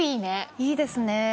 いいですね。